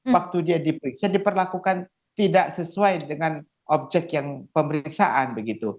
waktu dia diperiksa diperlakukan tidak sesuai dengan objek yang pemeriksaan begitu